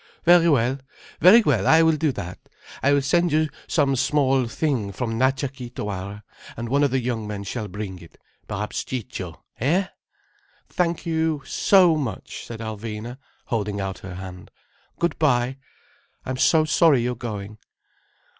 "Very well—very well, I will do that. I will send you some small thing from Natcha Kee Tawara, and one of the young men shall bring it. Perhaps Ciccio? Hé?" "Thank you so much," said Alvina, holding out her hand. "Good bye. I'm so sorry you're going."